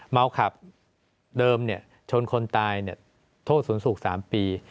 เมาขับเดิมชนคนตายโทษสูง๓ปี